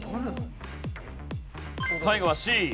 最後はＣ。